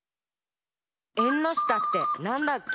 「えんのしたってなんだっけ？」